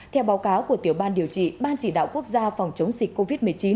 theo báo cáo của tiểu ban điều trị ban chỉ đạo quốc gia phòng chống dịch covid một mươi chín